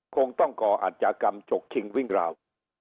คงต้องก่ออาจยากรรมฉกชิงวิ่งราว